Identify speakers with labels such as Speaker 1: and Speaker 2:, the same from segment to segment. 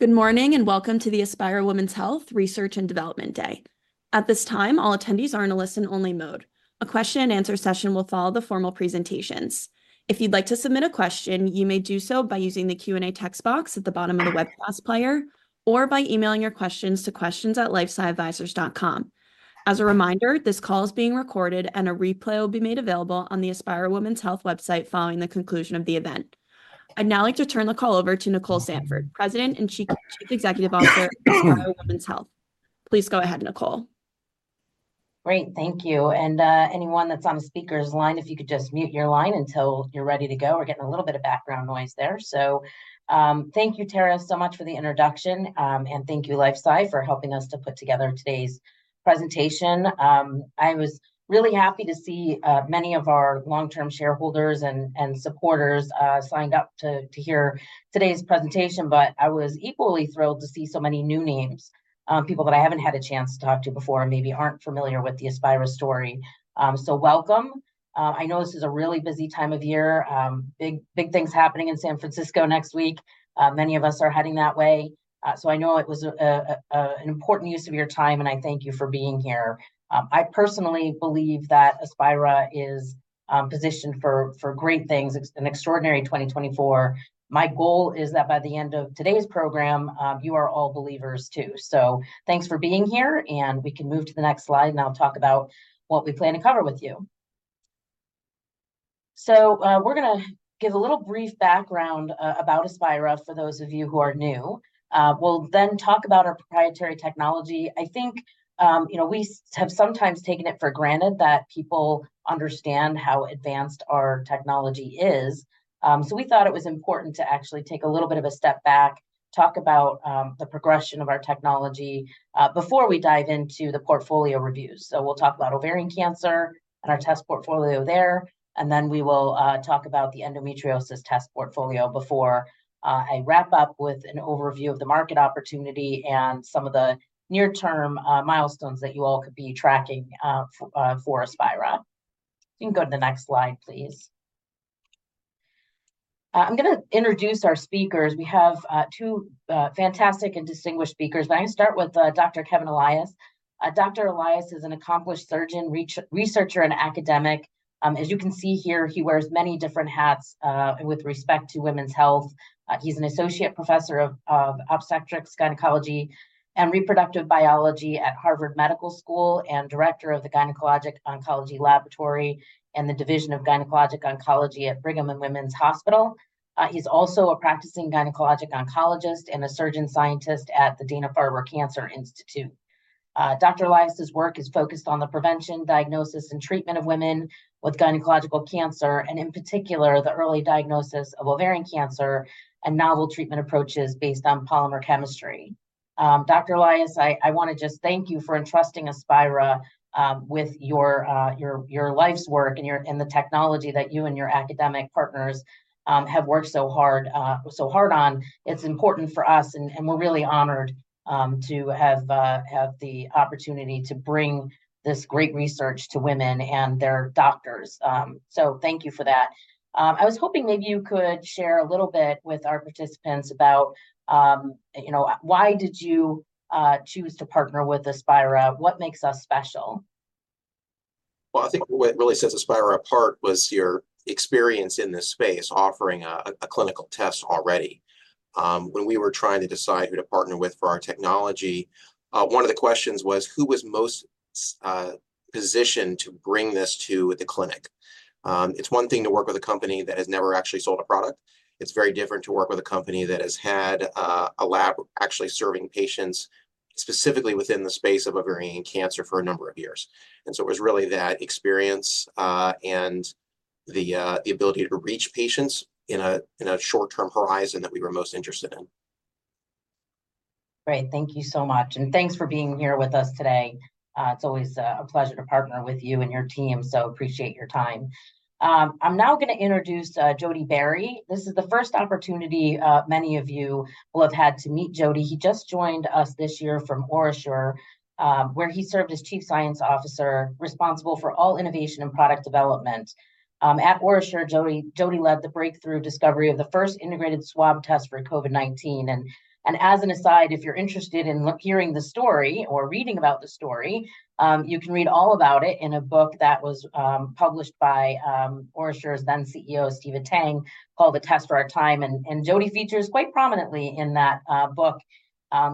Speaker 1: Good morning, and welcome to the Aspira Women's Health Research and Development Day. At this time, all attendees are in a listen-only mode. A question and answer session will follow the formal presentations. If you'd like to submit a question, you may do so by using the Q&A text box at the bottom of the webcast player or by emailing your questions to questions@lifesciadvisors.com. As a reminder, this call is being recorded, and a replay will be made available on the Aspira Women's Health website following the conclusion of the event. I'd now like to turn the call over to Nicole Sandford, President and Chief Executive Officer, Aspira Women's Health. Please go ahead, Nicole.
Speaker 2: Great, thank you. Anyone that's on the speaker line, if you could just mute your line until you're ready to go. We're getting a little bit of background noise there. So, thank you, Tara, so much for the introduction, and thank you, LifeSci, for helping us to put together today's presentation. I was really happy to see many of our long-term shareholders and supporters signed up to hear today's presentation, but I was equally thrilled to see so many new names, people that I haven't had a chance to talk to before and maybe aren't familiar with the Aspira story. So welcome. I know this is a really busy time of year, big, big things happening in San Francisco next week. Many of us are heading that way, so I know it was an important use of your time, and I thank you for being here. I personally believe that Aspira is positioned for great things, an extraordinary 2024. My goal is that by the end of today's program, you are all believers, too. So thanks for being here, and we can move to the next slide, and I'll talk about what we plan to cover with you. So, we're gonna give a brief background about Aspira for those of you who are new. We'll then talk about our proprietary technology. I think, you know, we have sometimes taken it for granted that people understand how advanced our technology is. So we thought it was important to actually take a little bit of a step back, talk about the progression of our technology before we dive into the portfolio reviews. So we'll talk about ovarian cancer and our test portfolio there, and then we will talk about the endometriosis test portfolio before I wrap up with an overview of the market opportunity and some of the near-term milestones that you all could be tracking for Aspira. You can go to the next slide, please. I'm gonna introduce our speakers. We have two fantastic and distinguished speakers, and I'm gonna start with Dr. Kevin Elias. Dr. Elias is an accomplished surgeon, researcher, and academic. As you can see here, he wears many different hats with respect to women's health. He's an associate professor of obstetrics, gynecology, and reproductive biology at Harvard Medical School, and director of the Gynecologic Oncology Laboratory and the Division of Gynecologic Oncology at Brigham and Women's Hospital. He's also a practicing gynecologic oncologist and a surgeon scientist at the Dana-Farber Cancer Institute. Dr. Elias' work is focused on the prevention, diagnosis, and treatment of women with gynecological cancer, and in particular, the early diagnosis of ovarian cancer and novel treatment approaches based on polymer chemistry. Dr. Elias, I wanna just thank you for entrusting Aspira with your life's work and the technology that you and your academic partners have worked so hard on. It's important for us, and we're really honored to have the opportunity to bring this great research to women and their doctors. Thank you for that. I was hoping, maybe you could share a little bit with our participants about, you know, why did you choose to partner with Aspira? What makes us special?
Speaker 3: Well, I think what really sets Aspira apart was your experience in this space, offering a clinical test already. When we were trying to decide who to partner with for our technology, one of the questions was: Who was most positioned to bring this to the clinic? It's one thing to work with a company that has never actually sold a product. It's very different to work with a company that has had a lab actually serving patients, specifically within the space of ovarian cancer, for a number of years. And so it was really that experience and the ability to reach patients in a short-term horizon that we were most interested in.
Speaker 2: Great, thank you so much, and thanks for being here with us today. It's always a pleasure to partner with you and your team, so appreciate your time. I'm now gonna introduce Jody Berry. This is the first opportunity many of you will have had to meet Jody. He just joined us this year from OraSure, where he served as Chief Scientific Officer, responsible for all innovation and product development. At OraSure, Jody led the breakthrough discovery of the first integrated swab-based test for COVID-19. And as an aside, if you're interested in hearing the story or reading about the story, you can read all about it in a book that was published by OraSure’s then-CEO, Stephen Tang, called A Test for Our Time, and Jody features quite prominently in that book.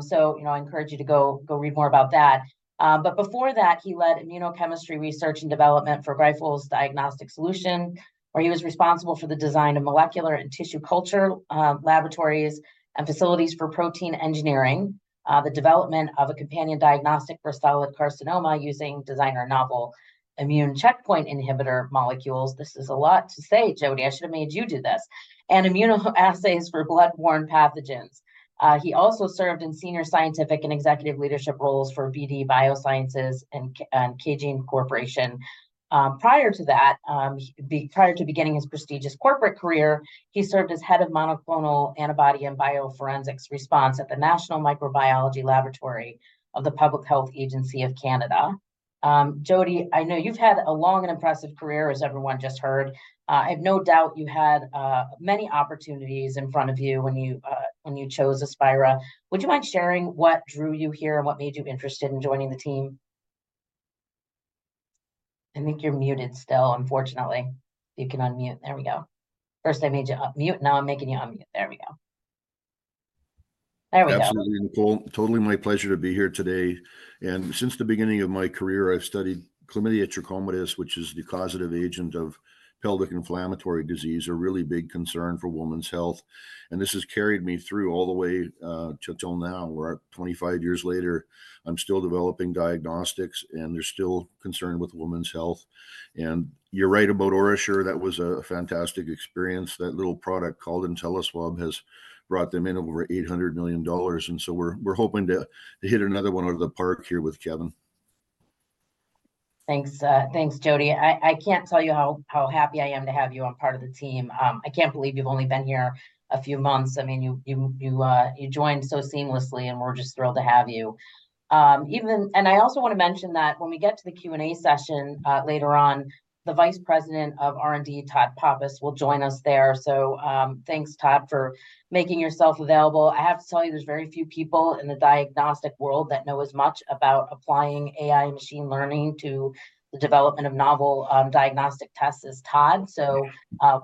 Speaker 2: So, you know, I encourage you to go read more about that. But before that, he led immunochemistry research and development for Grifols Diagnostic Solutions, where he was responsible for the design of molecular and tissue culture laboratories and facilities for protein engineering, the development of a companion diagnostic for serous carcinoma using designer novel immune checkpoint inhibitor molecules. This is a lot to say, Jody. I should have made you do this. And immunoassays for blood-borne pathogens. He also served in senior scientific and executive leadership roles for BD Biosciences and Cangene Corporation. Prior to that, prior to beginning his prestigious corporate career, he served as head of monoclonal antibody and bioforensics response at the National Microbiology Laboratory of the Public Health Agency of Canada. Jody, I know you've had a long and impressive career, as everyone just heard it. I have no doubt you had many opportunities in front of you when you chose Aspira. Would you mind sharing what drew you here and what made you interested in joining the team? I think you're muted still, unfortunately. You can unmute. There we go. First, I made you mute, now I'm making you unmute. There we go. There we go.
Speaker 4: Absolutely, Nicole. Totally my pleasure to be here today. Since the beginning of my career, I've studied Chlamydia trachomatis, which is the causative agent of pelvic inflammatory disease and a really big concern for women's health. This has carried me through all the way till now, where 25 years later, I'm still developing diagnostics, and they still concerned women's health. You're right about OraSure. That was a fantastic experience. That little product called InteliSwab has brought them in over $800 million, and so we're hoping to hit another one out of the park here with Kevin.
Speaker 2: Thanks, thanks, Jody. I can't tell you how happy I am to have you as part of the team. I can't believe you've only been here a few months. I mean, you joined so seamlessly, and we're just thrilled to have you. And I also wanna mention that when we get to the Q&A session later on, the Vice President of R&D, Todd Pappas, will join us there. So, thanks, Todd, for making yourself available. I have to tell you, there's very few people in the diagnostic world that know as much about applying AI and machine learning to the development of novel diagnostic tests as Todd. So,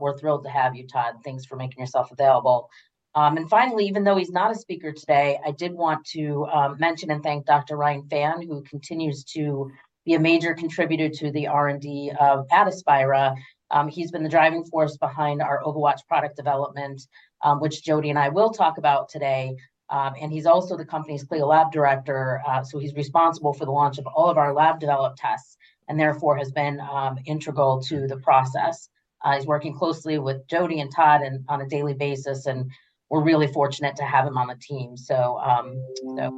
Speaker 2: we're thrilled to have you, Todd. Thanks for making yourself available. Finally, even though he's not a speaker today, I did want to mention and thank Dr. Ryan Phan, who continues to be a major contributor to the R&D at Aspira. He's been the driving force behind our OvaWatch product development, which Jody and I will talk about today. And he's also the company's CLIA lab director, so he's responsible for the launch of all of our lab-developed tests and therefore has been integral to the process. He's working closely with Jody and Todd on a daily basis, and we're really fortunate to have him on the team. So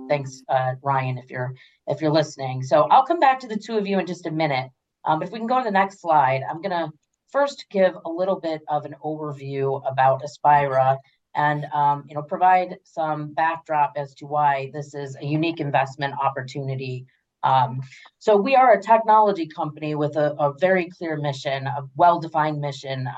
Speaker 2: thanks, Ryan, if you're listening. So I'll come back to the two of you in just a minute. If we can go to the next slide, I'm gonna first give a little bit of an overview about Aspira and, you know, provide some backdrop as to why this is a unique investment opportunity. So we are a technology company with a very clear mission, a well-defined mission.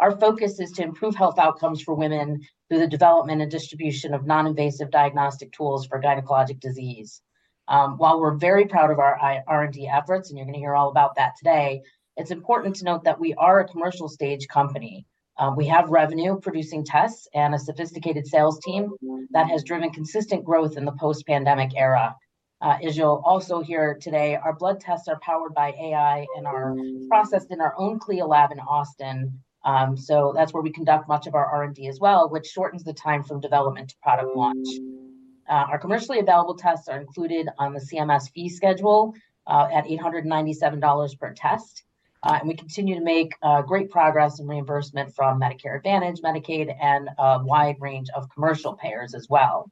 Speaker 2: Our focus is to improve health outcomes for women through the development and distribution of non-invasive diagnostic tools for gynecologic disease. While we're very proud of our R&D efforts, and you're gonna hear all about that today, it's important to note that we are a commercial-stage company. We have revenue-producing tests and a sophisticated sales team that has driven consistent growth in the post-pandemic era. As you'll also hear today, our blood tests are powered by AI and are processed in our own CLIA lab in Austin. So that's where we conduct much of our R&D as well, which shortens the time from development to product launch. Our commercially available tests are included on the CMS fee schedule at $897 per test. We continue to make great progress in reimbursement from Medicare Advantage, Medicaid, and a wide range of commercial payers as well.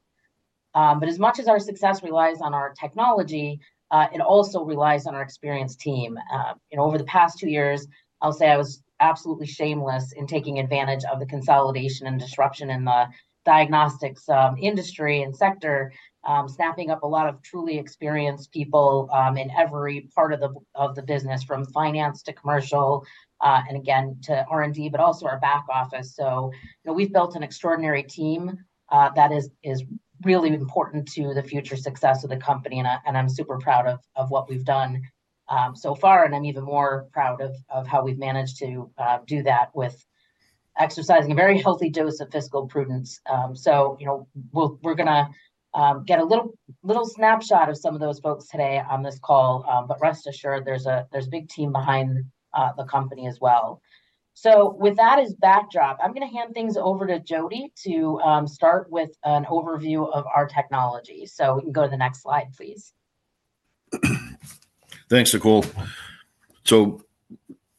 Speaker 2: But as much as our success relies on our technology, it also relies on our experienced team. You know, over the past two years, I'll say I was absolutely shameless in taking advantage of the consolidation and disruption in the diagnostics industry and sector, snapping up a lot of truly experienced people in every part of the business, from finance to commercial, and again, to R&D, but also our back office. So, you know, we've built an extraordinary team that is really important to the future success of the company, and I'm super proud of what we've done so far. And I'm even more proud of how we've managed to do that with exercising a very healthy dose of fiscal prudence. So, you know, we're gonna get a little snapshot of some of those folks today on this call, but rest assured, there's a big team behind the company as well. So with that as backdrop, I'm gonna hand things over to Jody to start with an overview of our technology. So we can go to the next slide, please.
Speaker 4: Thanks, Nicole. So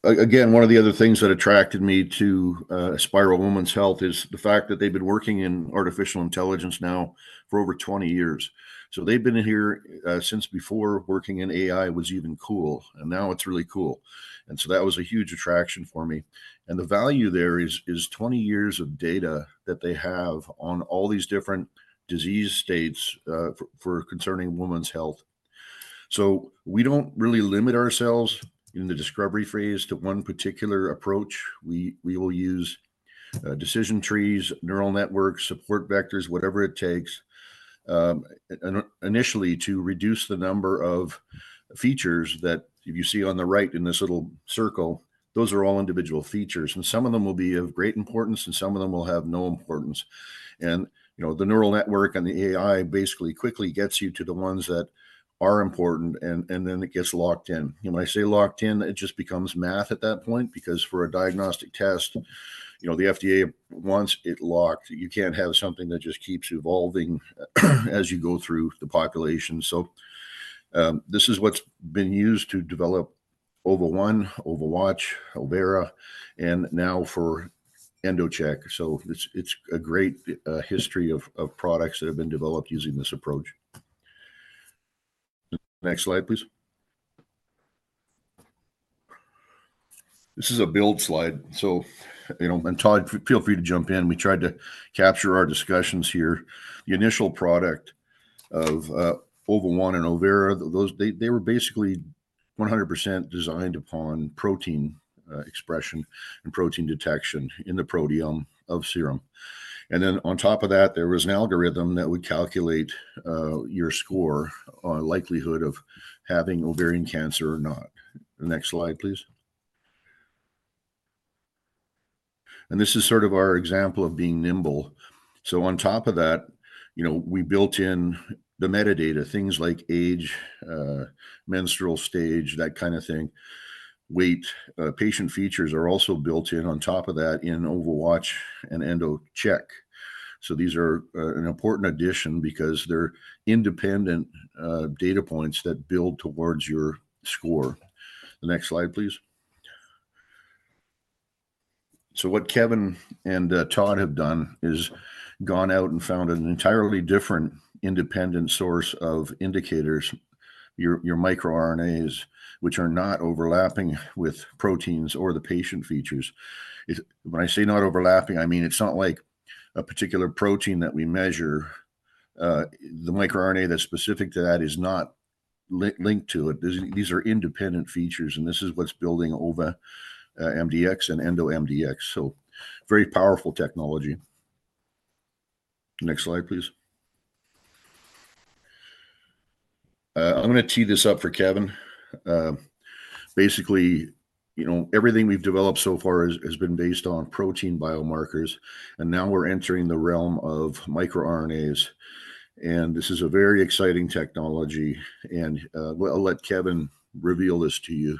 Speaker 4: again, one of the other things that attracted me to Aspira Women’s Health is the fact that they’ve been working with artificial intelligence now for over 20 years. So they’ve been here since before working with AI was even cool, and now it’s really cool. And so that was a huge attraction for me. And the value there is 20 years of data that they have on all these different disease states for concerning women’s health. So we don’t really limit ourselves in the discovery phase to one particular approach. We will use decision trees, neural networks, support vectors, whatever it takes, initially to reduce the number of features that... If you see on the right in this little circle, those are all individual features, and some of them will be of great importance, and some of them will have no importance. And, you know, the neural network and the AI basically quickly get you to the ones that are important, and then it gets locked in. When I say locked in, it just becomes math at that point, because for a diagnostic test, you know, the FDA wants it locked. You can't have something that just keeps evolving as you go through the population. So, this is what's been used to develop Ova1, OvaWatch, Overa, and now for EndoCheck. So it's a great history of products that have been developed using this approach. Next slide, please. This is a build slide, so, you know, and Todd, feel free to jump in. We tried to capture our discussions here. The initial product of Ova1 and Overa, those, they were basically 100% designed upon protein expression and protein detection in the proteome of serum. Then on top of that, there was an algorithm that would calculate your score or likelihood of having ovarian cancer or not. Next slide, please. This is sort of our example of being nimble. On top of that, you know, we built in the metadata, things like age, menstrual stage, that kind of thing, weight. Patient features are also built in on top of that in OvaWatch and EndoCheck. These are an important addition because they're independent data points that build towards your score. The next slide, please. So what Kevin and Todd have done is gone out and found an entirely different independent source of indicators, your microRNAs, which are not overlapping with proteins or the patient features. When I say not overlapping, I mean, it's not like a particular protein that we measure. The microRNA that's specific to that is not linked to it. These are independent features, and this is what's building OvaMDx and EndoMDx, so very powerful technology. Next slide, please. I'm gonna tee this up for Kevin. Basically, you know, everything we've developed so far has been based on protein biomarkers, and now we're entering the realm of microRNAs, and this is a very exciting technology, and, well, I'll let Kevin reveal this to you.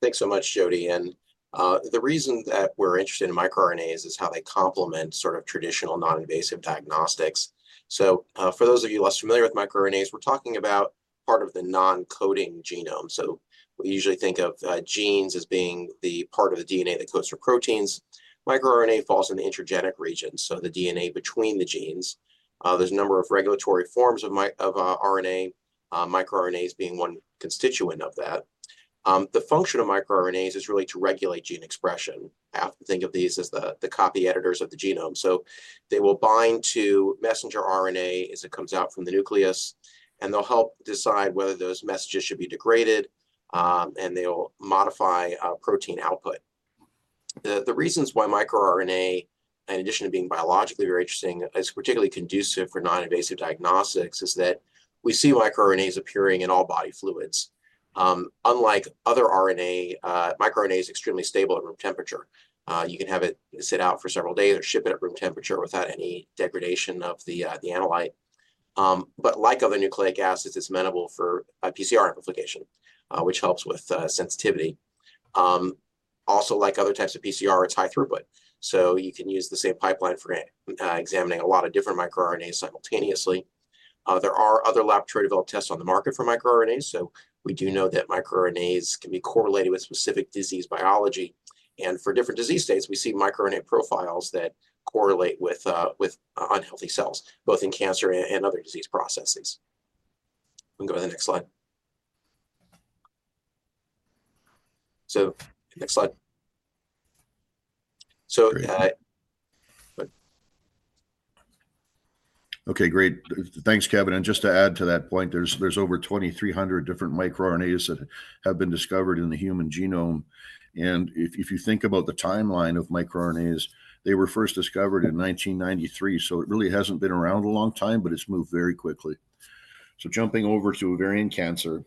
Speaker 3: Thanks so much, Jody, and the reason that we're interested in microRNAs is how they complement sort of traditional non-invasive diagnostics. So, for those of you less familiar with microRNAs, we're talking about part of the non-coding genome. So we usually think of genes as being the part of the DNA that codes for proteins. microRNAs fall in the intergenic region, so the DNA between the genes. There's a number of regulatory forms of RNA, microRNAs being one constituent of that. The function of microRNAs is really to regulate gene expression. I have to think of these as the copy editors of the genome. So they will bind to messenger RNA as it comes out from the nucleus, and they'll help decide whether those messages should be degraded, and they'll modify protein output. The reasons why microRNA, in addition to being biologically very interesting, is particularly conducive for non-invasive diagnostics, is that we see microRNAs appearing in all body fluids. Unlike other RNA, microRNA is extremely stable at room temperature. You can have it sit out for several days or ship it at room temperature without any degradation of the analyte. But like other nucleic acids, it's amenable for PCR amplification, which helps with sensitivity. Also, like other types of PCR, it's high throughput, so you can use the same pipeline for examining a lot of different microRNAs simultaneously. There are other laboratory-developed tests on the market for microRNAs, so we do know that microRNAs can be correlated with specific disease biology. For different disease states, we see microRNA profiles that correlate with unhealthy cells, both in cancer and other disease processes. We can go to the next slide. Next slide. So, yeah, but-
Speaker 4: Okay, great. Thanks, Kevin, and just to add to that point, there's over 2,300 different microRNAs that have been discovered in the human genome, and if you think about the timeline of microRNAs, they were first discovered in 1993. So it really hasn't been around a long time, but it's moved very quickly. So jumping over to ovarian cancer,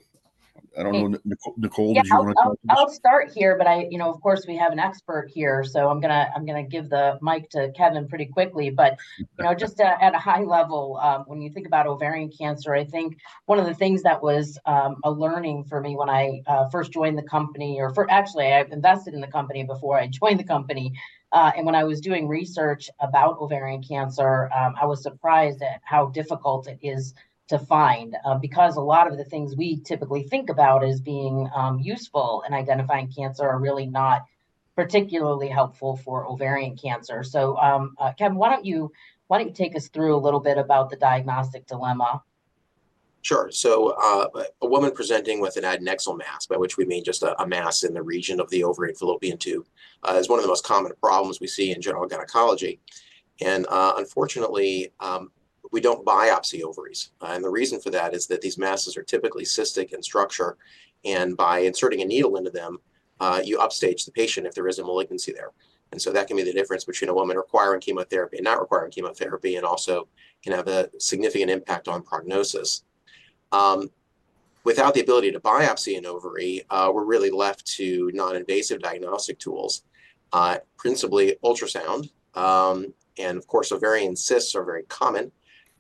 Speaker 4: I don't know, Nicole, did you want to talk-
Speaker 2: Yeah, I'll start here, but I... You know, of course, we have an expert here, so I'm gonna give the mic to Kevin pretty quickly. But, you know, just at a high level, when you think about ovarian cancer, I think one of the things that was a learning for me when I first joined the company, or actually, I invested in the company before I joined the company. And when I was doing research about ovarian cancer, I was surprised at how difficult it is to find. Because a lot of the things we typically think about as being useful in identifying cancer are really not particularly helpful for ovarian cancer. So, Kevin, why don't you take us through a little bit about the diagnostic dilemma?
Speaker 3: Sure. So, a woman presenting with an adnexal mass, by which we mean just a mass in the region of the ovary and fallopian tube, is one of the most common problems we see in general gynecology. And, unfortunately, we don't biopsy ovaries, and the reason for that is that these masses are typically cystic in structure, and by inserting a needle into them, you upstage the patient if there is a malignancy there. And so that can be the difference between a woman requiring chemotherapy and not requiring chemotherapy, and also can have a significant impact on prognosis. Without the ability to biopsy an ovary, we're really left to non-invasive diagnostic tools, principally ultrasound. And of course, ovarian cysts are very common.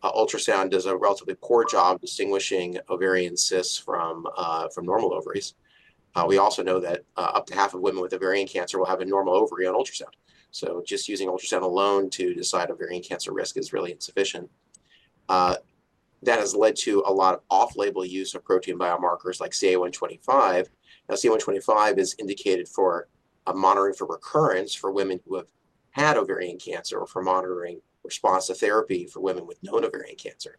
Speaker 3: Ultrasound does a relatively poor job distinguishing ovarian cysts from normal ovaries. We also know that up to half of women with ovarian cancer will have a normal ovary on ultrasound. So just using ultrasound alone to decide ovarian cancer risk is really insufficient. That has led to a lot of off-label use of protein biomarkers like CA-125. Now, CA-125 is indicated for monitoring for recurrence for women who had ovarian cancer or for monitoring response to therapy for women with known ovarian cancer.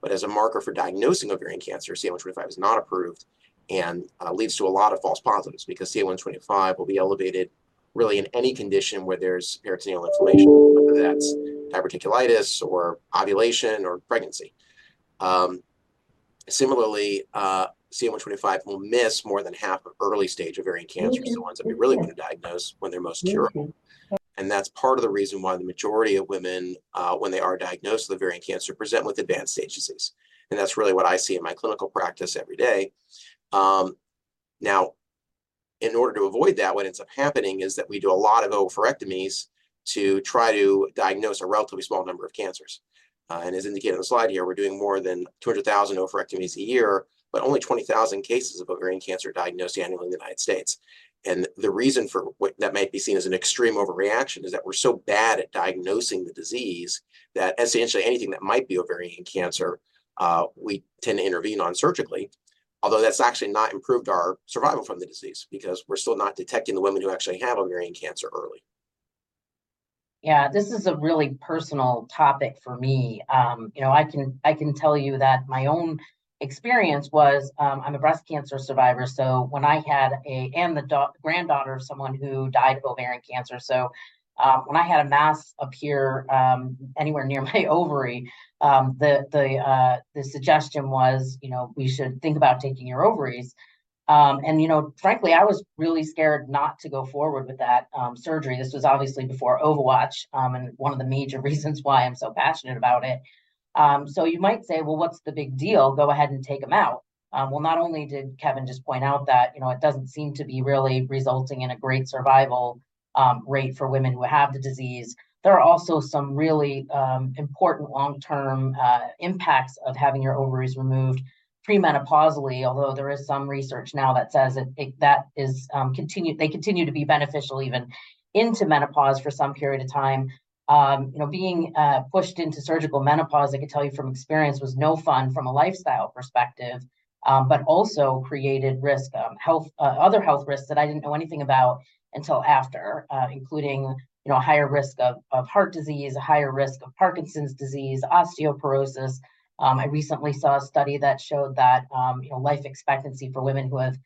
Speaker 3: But as a marker for diagnosing ovarian cancer, CA-125 is not approved, and leads to a lot of false positives, because CA-125 will be elevated really in any condition where there's peritoneal inflammation, whether that's diverticulitis, or ovulation, or pregnancy. Similarly, CA-125 will miss more than half of early-stage ovarian cancers-
Speaker 2: Mm-hmm.
Speaker 3: the ones that we really wanna diagnose when they're most curable.
Speaker 2: Mm-hmm.
Speaker 3: That's part of the reason why the majority of women, when they are diagnosed with ovarian cancer, present with advanced-stage disease, and that's really what I see in my clinical practice every day. Now, in order to avoid that, what ends up happening is that we do a lot of oophorectomies to try to diagnose a relatively small number of cancers. And as indicated on the slide here, we're doing more than 200,000 oophorectomies a year, but only 20,000 cases of ovarian cancer are diagnosed annually in the United States. The reason that might be seen as an extreme overreaction is that we're so bad at diagnosing the disease, that essentially anything that might be ovarian cancer, we tend to intervene on surgically. Although that's actually not improved our survival from the disease, because we're still not detecting the women who actually have ovarian cancer early.
Speaker 2: Yeah, this is a really personal topic for me. You know, I can, I can tell you that my own experience was, I'm a breast cancer survivor, so when I had and the granddaughter of someone who died of ovarian cancer, so, when I had a mass appear, anywhere near my ovary, the suggestion was, "You know, we should think about taking your ovaries." And, you know, frankly, I was really scared not to go forward with that, surgery. This was obviously before OvaWatch, and one of the major reasons why I'm so passionate about it. So you might say, "Well, what's the big deal? Go ahead and take them out." Well, not only did Kevin just point out that, you know, it doesn't seem to be really resulting in a great survival rate for women who have the disease, there are also some really important long-term impacts of having your ovaries removed premenopausally. Although, there is some research now that says that it, that is, they continue to be beneficial even into menopause for some period of time. You know, being pushed into surgical menopause, I can tell you from experience, was no fun from a lifestyle perspective. But also created risk, health, other health risks that I didn't know anything about until after, including, you know, higher risk of heart disease, a higher risk of Parkinson's disease, osteoporosis. I recently saw a study that showed that, you know, life expectancy for women who have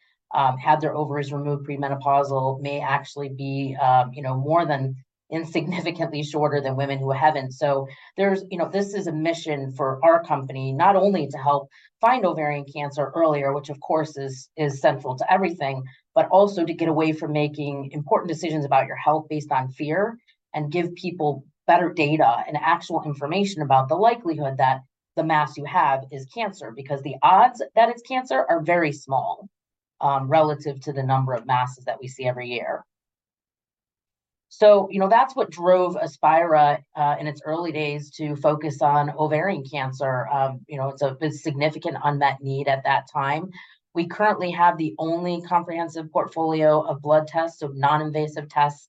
Speaker 2: had their ovaries removed premenopausal may actually be, you know, more than insignificantly shorter than women who haven't. So there's, you know, this is a mission for our company, not only to help find ovarian cancer earlier, which of course is, is central to everything, but also to get away from making important decisions about your health based on fear, and give people better data and actual information about the likelihood that the mass you have is cancer. Because the odds that it's cancer are very small, relative to the number of masses that we see every year. So, you know, that's what drove Aspira, in its early days to focus on ovarian cancer. You know, it's significant unmet need at that time. We currently have the only comprehensive portfolio of blood tests, of non-invasive tests,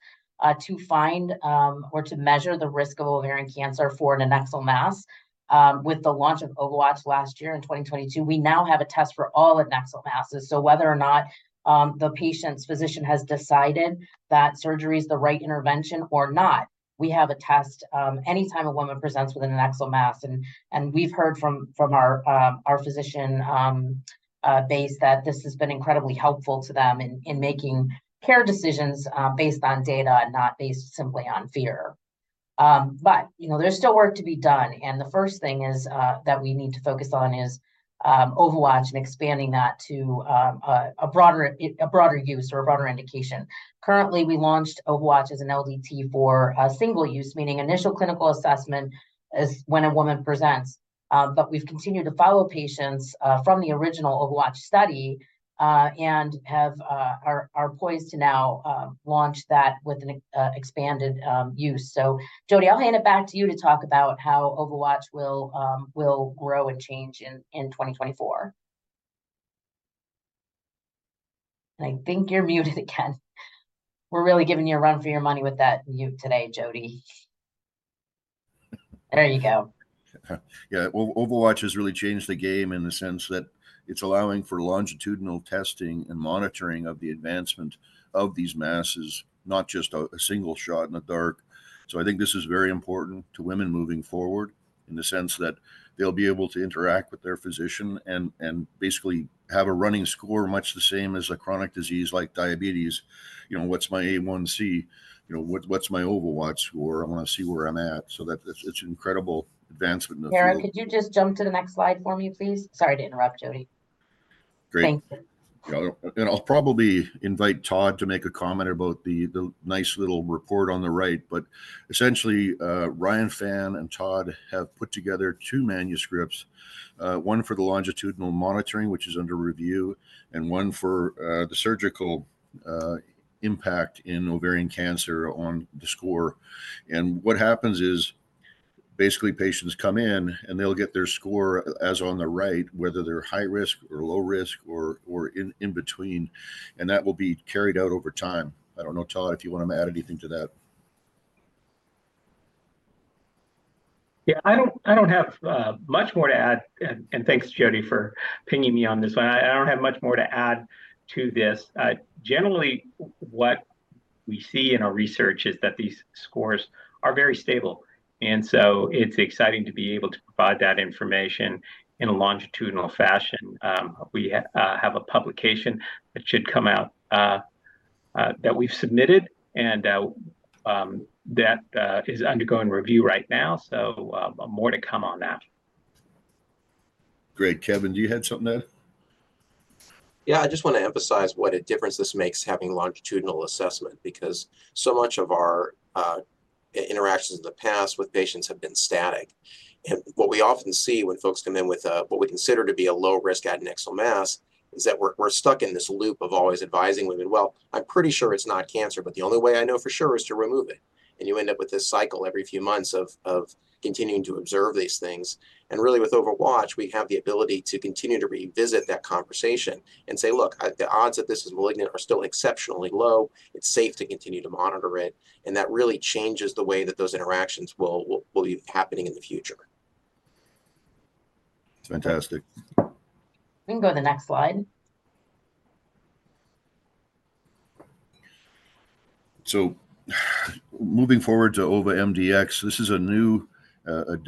Speaker 2: to find, or to measure the risk of ovarian cancer for an adnexal mass. With the launch of OvaWatch last year in 2022, we now have a test for all adnexal masses. So whether or not, the patient's physician has decided that surgery is the right intervention or not, we have a test, anytime a woman presents with an adnexal mass. And we've heard from our physician base that this has been incredibly helpful to them in making care decisions based on data and not based simply on fear. But, you know, there's still work to be done, and the first thing is that we need to focus on is OvaWatch and expanding that to a broader use or a broader indication. Currently, we launched OvaWatch as an LDT for a single use, meaning initial clinical assessment is when a woman presents. But we've continued to follow patients from the original OvaWatch study, and are poised to now launch that with an expanded use. So Jody, I'll hand it back to you to talk about how OvaWatch will grow and change in 2024. I think you're muted again. We're really giving you a run for your money with that mute today, Jody. There you go.
Speaker 4: Yeah, OvaWatch has really changed the game in the sense that it's allowing for longitudinal testing and monitoring of the advancement of these masses, not just a single shot in the dark. So I think this is very important to women moving forward, in the sense that they'll be able to interact with their physician and basically have a running score, much the same as a chronic disease like diabetes. You know, "What's my A1C?" You know, "What, what's my OvaWatch score? I wanna see where I'm at." So that's an incredible advancement in the field.
Speaker 2: Aaron, could you just jump to the next slide for me, please? Sorry to interrupt, Jody.
Speaker 4: Great.
Speaker 2: Thank you.
Speaker 4: You're welcome. And I'll probably invite Todd to make a comment about the nice little report on the right, but essentially, Ryan Phan and Todd have put together two manuscripts. One for the longitudinal monitoring, which is under review, and one for the surgical impact in ovarian cancer on the score. And what happens is, basically, patients come in, and they'll get their score, as on the right, whether they're high risk or low risk or in between, and that will be carried out over time. I don't know, Todd, if you wanna add anything to that?...
Speaker 5: Yeah, I don't, I don't have much more to add, and, and thanks, Jody, for pinging me on this one. I don't have much more to add to this. Generally, what we see in our research is that these scores are very stable, and so it's exciting to be able to provide that information in a longitudinal fashion. We have a publication that should come out that we've submitted, and that is undergoing review right now, so more to come on that.
Speaker 4: Great. Kevin, do you have something to add?
Speaker 3: Yeah, I just wanna emphasize what a difference this makes, having longitudinal assessment, because so much of our interactions in the past with patients have been static. What we often see when folks come in with what we consider to be a low-risk adnexal mass is that we're stuck in this loop of always advising women, "Well, I'm pretty sure it's not cancer, but the only way I know for sure is to remove it." You end up with this cycle every few months of continuing to observe these things. Really, with OvaWatch, we have the ability to continue to revisit that conversation and say, "Look, the odds that this is malignant are still exceptionally low. It's safe to continue to monitor it." That really changes the way that those interactions will be happening in the future.
Speaker 4: It's fantastic.
Speaker 2: We can go to the next slide.
Speaker 4: So, moving forward to OvaMDx, this is a new,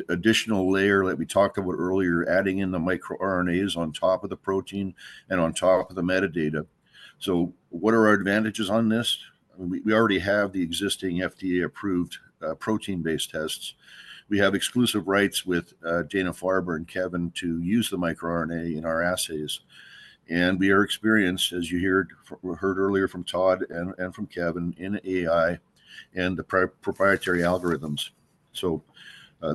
Speaker 4: additional layer that we talked about earlier, adding in the microRNAs on top of the protein and on top of the metadata. So what are our advantages on this? We already have the existing FDA-approved, protein-based tests. We have exclusive rights with, Dana-Farber and Kevin to use the microRNA in our assays. And we are experienced, as you heard earlier from Todd and from Kevin, in AI and the proprietary algorithms. So,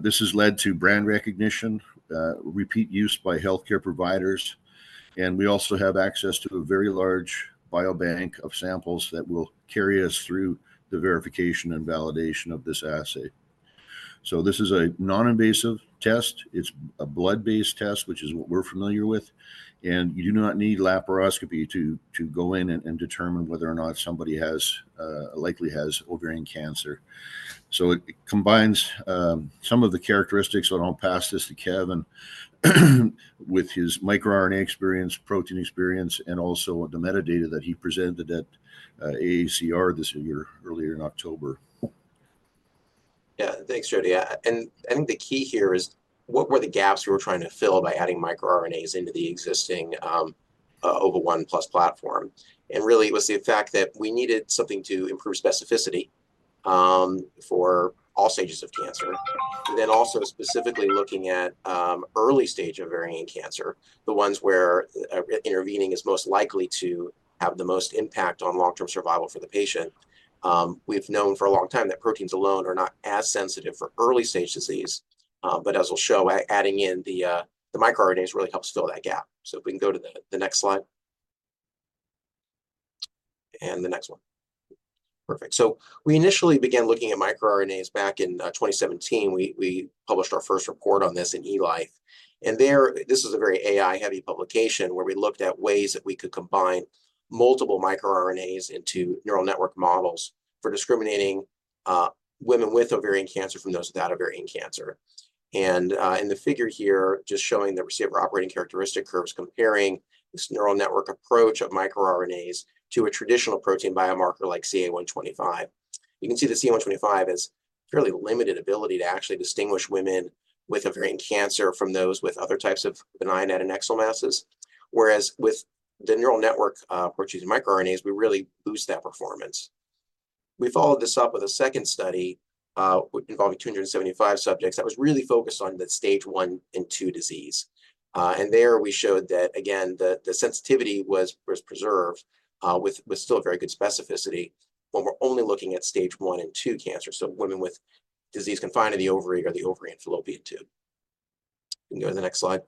Speaker 4: this has led to brand recognition, repeat use by healthcare providers, and we also have access to a very large biobank of samples that will carry us through the verification and validation of this assay. So this is a non-invasive test. It's a blood-based test, which is what we're familiar with, and you do not need laparoscopy to go in and determine whether or not somebody has likely has ovarian cancer. So it combines some of the characteristics, and I'll pass this to Kevin, with his microRNA experience, protein experience, and also the metadata that he presented at AACR this year, earlier in October.
Speaker 3: Yeah, thanks, Jody. And I think the key here is, what were the gaps we were trying to fill by adding microRNAs into the existing Ova1Plus platform? And really, it was the fact that we needed something to improve specificity for all stages of cancer. And then also specifically looking at early-stage ovarian cancer, the ones where intervening is most likely to have the most impact on long-term survival for the patient. We've known for a long time that proteins alone are not as sensitive for early-stage disease, but as we'll show, adding in the microRNAs really helps fill that gap. So if we can go to the next slide. And the next one. Perfect. So we initially began looking at microRNAs back in 2017. We published our first report on this in eLife, and there, this is a very AI-heavy publication where we looked at ways that we could combine multiple microRNAs into neural network models for discriminating women with ovarian cancer from those without ovarian cancer. And in the figure here, just showing the receiver operating characteristic curves, comparing this neural network approach of microRNAs to a traditional protein biomarker like CA-125. You can see the CA-125 has fairly limited ability to actually distinguish women with ovarian cancer from those with other types of benign adnexal masses. Whereas with the neural network approaches in microRNAs, we really boost that performance. We followed this up with a second study involving 275 subjects, that was really focused on the Stage 1 and 2 disease. There we showed that, again, the sensitivity was preserved, with still a very good specificity, when we're only looking at Stage One and Two cancer, so women with disease confined to the ovary or the ovarian fallopian tube. You can go to the next slide.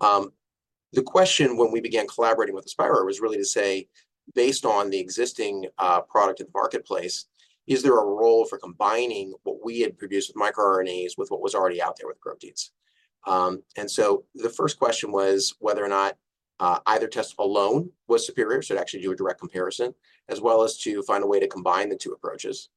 Speaker 3: The question when we began collaborating with Aspira was really to say, based on the existing product in the marketplace, is there a role for combining what we had produced with microRNAs with what was already out there with proteins? So the first question was whether or not either test alone was superior, so to actually do a direct comparison, as well as to find a way to combine the two approaches.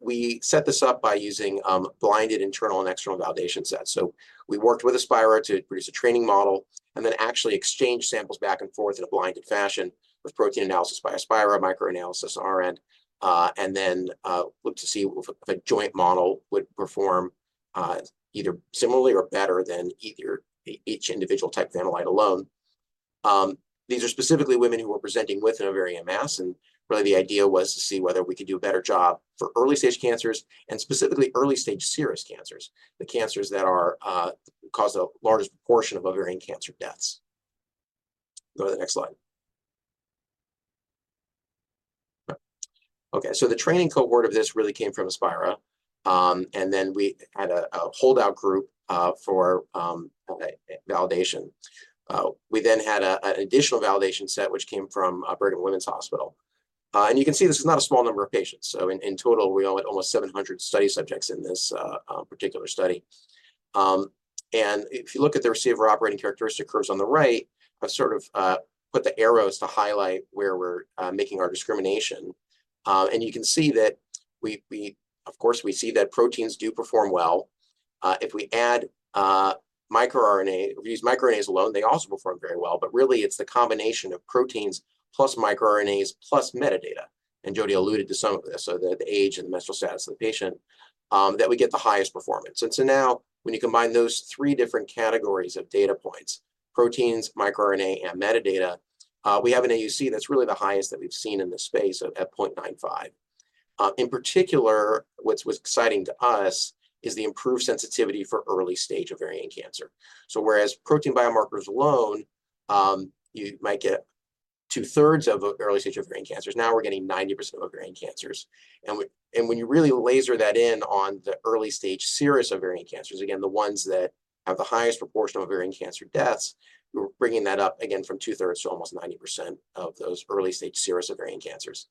Speaker 3: We set this up by using blinded internal and external validation sets. So we worked with Aspira to produce a training model and then actually exchanged samples back and forth in a blinded fashion, with protein analysis by Aspira, microRNA analysis our end, and then looked to see if a joint model would perform either similarly or better than each individual type of analyte alone. These are specifically women who were presenting with an ovarian mass, and really the idea was to see whether we could do a better job for early-stage cancers and specifically early-stage serous cancers, the cancers that cause the largest proportion of ovarian cancer deaths. Go to the next slide. Okay, so the training cohort of this really came from Aspira, and then we had a holdout group for validation. We then had an additional validation set, which came from Brigham and Women’s Hospital. And you can see this is not a small number of patients. So in total, we all had almost 700 study subjects in this particular study. And if you look at the receiver operating characteristic curves on the right, I've sort of put the arrows to highlight where we're making our discrimination. And you can see that we—we—of course, we see that proteins do perform well. If we add microRNA, if we use microRNAs alone, they also perform very well, but really, it's the combination of proteins plus microRNAs plus metadata, and Jody alluded to some of this, so the age and the menstrual status of the patient that we get the highest performance. And so now, when you combine those three different categories of data points, proteins, microRNA, and metadata, we have an AUC that's really the highest that we've seen in this space of at 0.95. In particular, what was exciting to us is the improved sensitivity for early-stage ovarian cancer. So whereas protein biomarkers alone, you might get two-thirds of early-stage ovarian cancers, now we're getting 90% of ovarian cancers. And when you really laser that in on the early-stage serous ovarian cancers, again, the ones that have the highest proportion of ovarian cancer deaths, we're bringing that up again from two-thirds to almost 90% of those early-stage serous ovarian cancers.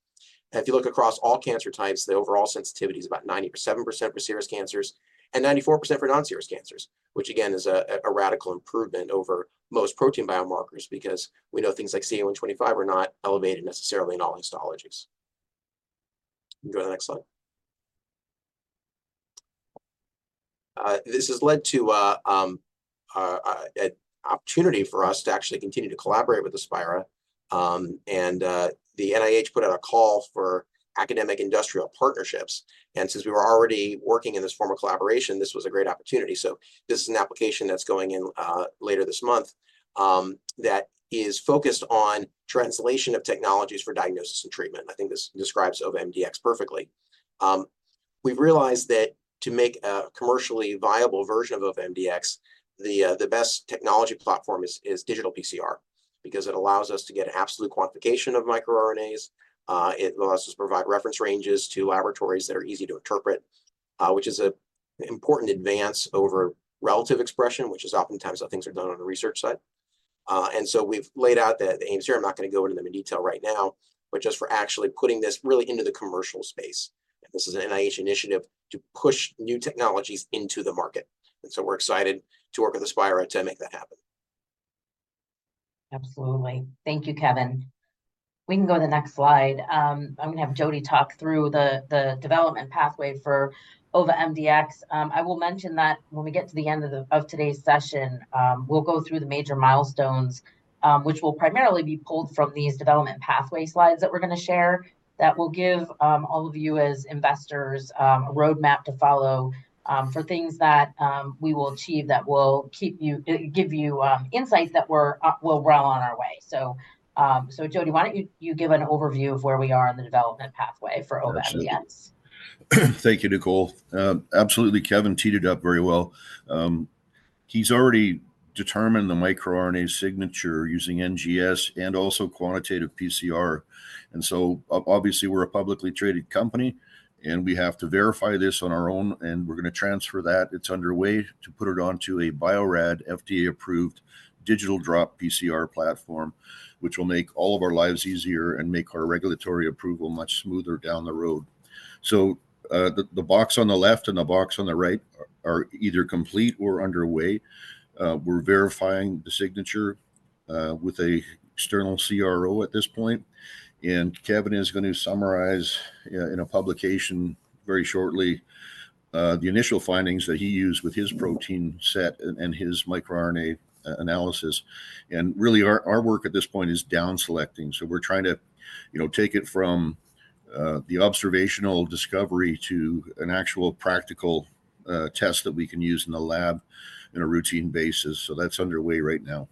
Speaker 3: If you look across all cancer types, the overall sensitivity is about 97% for serous cancers and 94% for non-serous cancers, which again, is a radical improvement over most protein biomarkers because we know things like CA-125 are not elevated necessarily in all histologies. You can go to the next slide. This has led to an opportunity for us to actually continue to collaborate with Aspira, and the NIH put out a call for academic-industrial partnerships, and since we were already working in this form of collaboration, this was a great opportunity. So this is an application that's going in later this month, that is focused on translation of technologies for diagnosis and treatment. I think this describes OvaMDx perfectly. We've realized that to make a commercially viable version of OvaMDx, the best technology platform is digital PCR because it allows us to get absolute quantification of microRNAs. It allows us to provide reference ranges to laboratories that are easy to interpret, which is an important advance over relative expression, which is oftentimes how things are done on the research side. And so we've laid out the aims here. I'm not going to go into them in detail right now, but just for actually putting this really into the commercial space. This is an NIH initiative to push new technologies into the market, and so we're excited to work with Aspira to make that happen.
Speaker 2: Absolutely. Thank you, Kevin. We can go to the next slide. I'm going to have Jody talk through the development pathway for OvaMDx. I will mention that when we get to the end of today's session, we'll go through the major milestones, which will primarily be pulled from these development pathway slides that we're going to share. That will give all of you as investors a roadmap to follow for things that we will achieve that will keep you give you insights that we're well on our way. So, Jody, why don't you give an overview of where we are on the development pathway for OvaMDx?
Speaker 4: Thank you, Nicole. Absolutely, Kevin teed it up very well. He's already determined the microRNA signature using NGS and also quantitative PCR. And so obviously, we're a publicly traded company, and we have to verify this on our own, and we're going to transfer that. It's underway to put it onto a Bio-Rad FDA-approved digital droplet PCR platform, which will make all of our lives easier and make our regulatory approval much smoother down the road. So, the box on the left and the box on the right are either complete or underway. We're verifying the signature with an external CRO at this point, and Kevin is going to summarize in a publication very shortly the initial findings that he used with his protein set and his microRNA analysis. Really, our work at this point is down selecting. So we're trying to, you know, take it from the observational discovery to an actual practical test that we can use in the lab on a routine basis. So that's underway right now.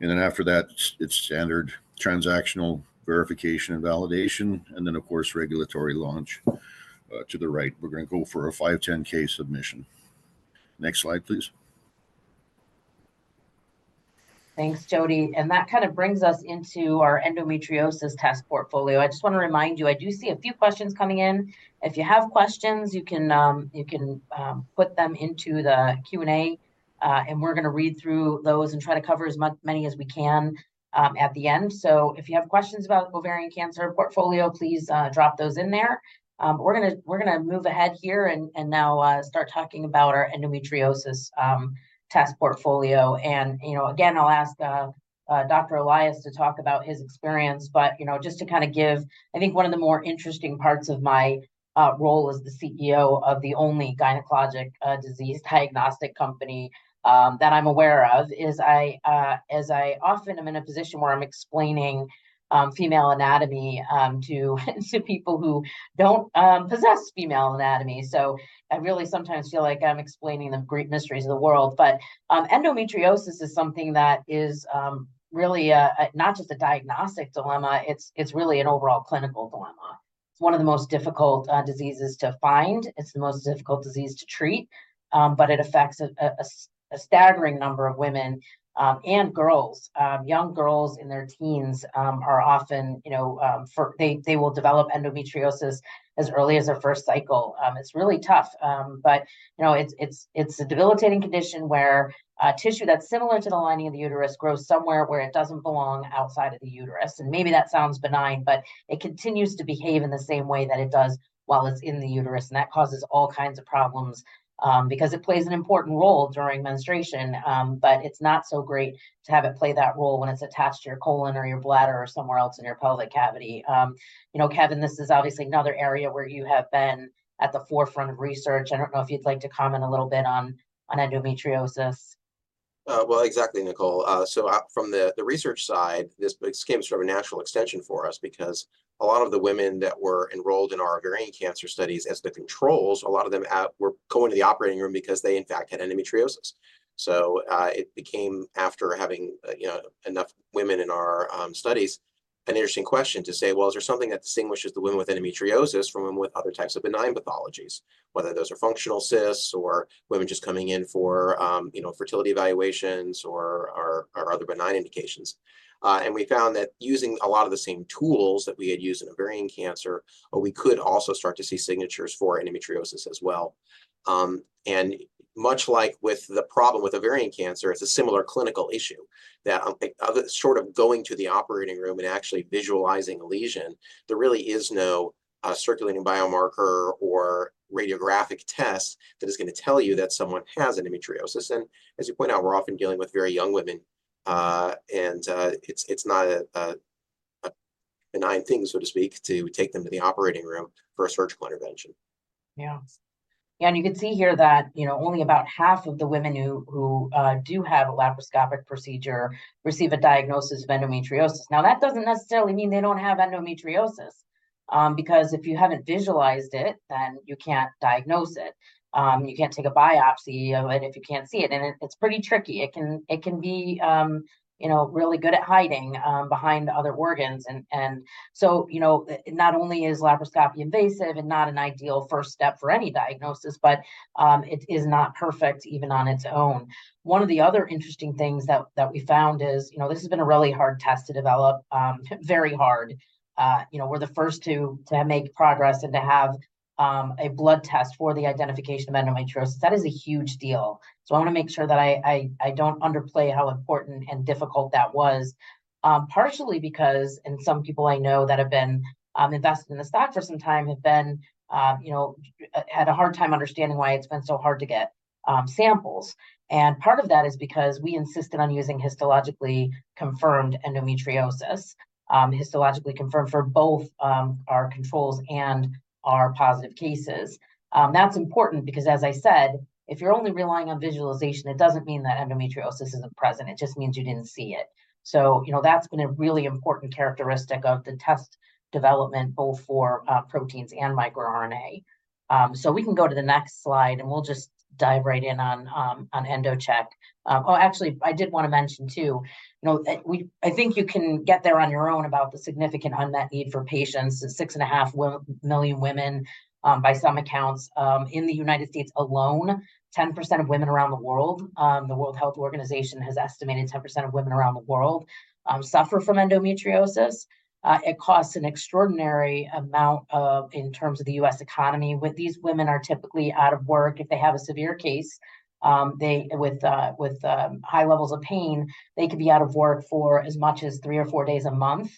Speaker 4: And then after that, it's standard transactional verification and validation, and then, of course, regulatory launch to the right. We're going to go for a 510(k) submission. Next slide, please.
Speaker 2: Thanks, Jody. And that kind of brings us into our endometriosis test portfolio. I just want to remind you, I do see a few questions coming in. If you have questions, you can put them into the Q&A, and we're going to read through those and try to cover as many as we can at the end. So if you have questions about ovarian cancer portfolio, please drop those in there. We're gonna move ahead here and now start talking about our endometriosis test portfolio. And, you know, again, I'll ask Dr. Elias to talk about his experience, but, you know, just to kind of give, I think one of the more interesting parts of my role as the CEO of the only gynecologic disease diagnostic company that I'm aware of is I often am in a position where I'm explaining female anatomy to people who don't possess female anatomy. So I really sometimes feel like I'm explaining the great mysteries of the world. But endometriosis is something that is really a not just a diagnostic dilemma, it's really an overall clinical dilemma. It's one of the most difficult diseases to find. It's the most difficult disease to treat, but it affects a staggering number of women and girls. Young girls in their teens are often, you know, for... They will develop endometriosis as early as their first cycle. It's really tough, but, you know, it's a debilitating condition where a tissue that's similar to the lining of the uterus grows somewhere where it doesn't belong outside of the uterus. And maybe that sounds benign, but it continues to behave in the same way that it does while it's in the uterus, and that causes all kinds of problems, because it plays an important role during menstruation. But it's not so great to have it play that role when it's attached to your colon or your bladder or somewhere else in your pelvic cavity. You know, Kevin, this is obviously another area where you have been at the forefront of research. I don't know if you'd like to comment a little bit on endometriosis....
Speaker 3: Well, exactly, Nicole. So, from the research side, this came as sort of a natural extension for us, because a lot of the women that were enrolled in our ovarian cancer studies as the controls, a lot of them were going to the operating room because they, in fact, had endometriosis. So, it became, after having, you know, enough women in our studies, an interesting question to say, "Well, is there something that distinguishes the women with endometriosis from women with other types of benign pathologies?" Whether those are functional cysts or women just coming in for, you know, fertility evaluations or other benign indications. And we found that using a lot of the same tools that we had used in ovarian cancer, we could also start to see signatures for endometriosis as well. And much like with the problem with ovarian cancer, it's a similar clinical issue, that other than sort of going to the operating room and actually visualizing a lesion, there really is no circulating biomarker or radiographic test that is gonna tell you that someone has endometriosis. And as you point out, we're often dealing with very young women, and it's not a benign thing, so to speak, to take them to the operating room for a surgical intervention.
Speaker 2: Yeah. And you can see here that, you know, only about half of the women who do have a laparoscopic procedure receive a diagnosis of endometriosis. Now, that doesn't necessarily mean they don't have endometriosis, because if you haven't visualized it, then you can't diagnose it. You can't take a biopsy of it if you can't see it, and it's pretty tricky. It can be, you know, really good at hiding behind other organs. And so, you know, not only is laparoscopy invasive and not an ideal first step for any diagnosis, but it is not perfect even on its own. One of the other interesting things that we found is, you know, this has been a really hard test to develop, very hard. You know, we're the first to make progress and to have a blood test for the identification of endometriosis. That is a huge deal. So I want to make sure that I don't underplay how important and difficult that was. Partially because some people I know that have been invested in the stock for some time have been, you know, had a hard time understanding why it's been so hard to get samples. And part of that is because we insisted on using histologically confirmed endometriosis, histologically confirmed for both our controls and our positive cases. That's important because, as I said, if you're only relying on visualization, it doesn't mean that endometriosis isn't present. It just means you didn't see it. So, you know, that's been a really important characteristic of the test development, both for proteins and microRNA. So we can go to the next slide, and we'll just dive right in on EndoCheck. Oh, actually, I did want to mention, too, you know, that I think you can get there on your own about the significant unmet need for patients. 6.5 million women, by some accounts, in the United States alone, 10% of women around the world, the World Health Organization has estimated 10% of women around the world, suffer from endometriosis. It costs an extraordinary amount of, in terms of the U.S. economy, with these women are typically out of work if they have a severe case. With high levels of pain, they could be out of work for as much as three or four days a month.